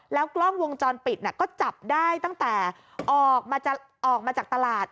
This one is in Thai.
กล้องวงจรปิดก็จับได้ตั้งแต่ออกมาจากตลาด